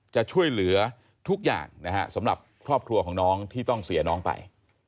จะช่วยเหลือทุกอย่างนะฮะสำหรับครอบครัวของน้องที่ต้องเสียน้องไป